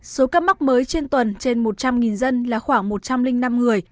số ca mắc mới trên tuần trên một trăm linh dân là khoảng một trăm linh năm người